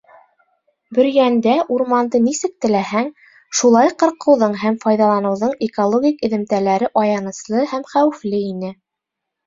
Бөрйәндә урманды нисек теләһәң, шулай ҡырҡыуҙың һәм файҙаланыуҙың экологик эҙемтәләре аяныслы һәм хәүефле ине.